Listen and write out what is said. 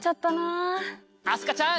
明日香ちゃん！